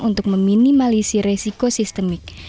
untuk meminimalisi resiko sistemik